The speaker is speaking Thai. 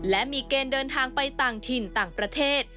และมีเกณฑ์เดินทางไปต่างถิ่นต่างประเทศ